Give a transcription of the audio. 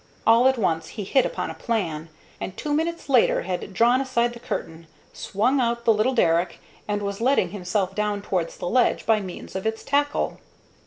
All at once he hit upon a plan, and two minutes later had drawn aside the curtain, swung out the little derrick, and was letting himself down towards the ledge by means of its tackle.